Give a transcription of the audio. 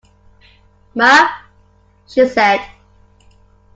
Mab, she said.